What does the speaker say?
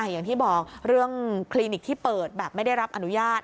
อย่างที่บอกเรื่องคลินิกที่เปิดแบบไม่ได้รับอนุญาต